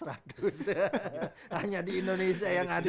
hanya di indonesia yang ada